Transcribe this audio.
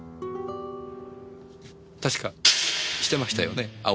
確かしてましたよねぇ？